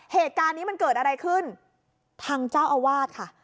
เหตุการณ์นี้มันเกิดอะไรขึ้นทางเจ้าอาวาสค่ะ